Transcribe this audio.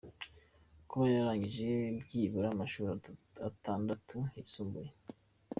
Kuba yararangije byibura amashuli atandatu yisumbuye .